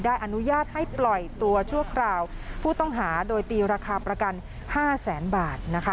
อนุญาตให้ปล่อยตัวชั่วคราวผู้ต้องหาโดยตีราคาประกัน๕แสนบาทนะคะ